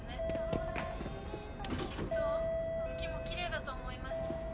きっときれいだと思います。